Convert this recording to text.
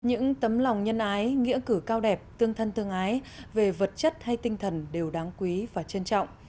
những tấm lòng nhân ái nghĩa cử cao đẹp tương thân tương ái về vật chất hay tinh thần đều đáng quý và trân trọng